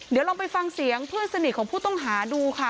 เดี๋ยวลองไปฟังเสียงเพื่อนสนิทของผู้ต้องหาดูค่ะ